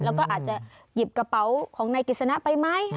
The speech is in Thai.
แล้วก็อาจจะหยิบกระเป๋าของนายกฤษณะไปไหม